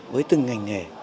với từng ngành nghề